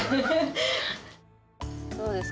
どうですか？